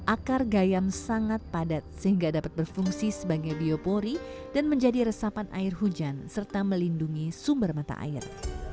akar gayam sangat padat sehingga dapat berfungsi sebagai biopori dan menjadi resapan air hujan serta melindungi sumber mata air